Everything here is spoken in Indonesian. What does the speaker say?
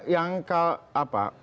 yang ke apa